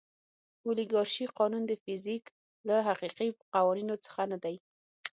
اولیګارشي قانون د فزیک له حقیقي قوانینو څخه نه دی.